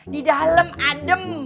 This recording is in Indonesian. di dalam adem